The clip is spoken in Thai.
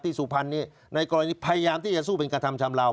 สุพรรณนี้ในกรณีพยายามที่จะสู้เป็นกระทำชำลาว